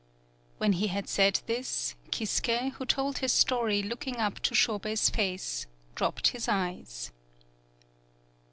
When he had said this, Kisuke, who told his story looking up to Shobei's face, dropped his eyes.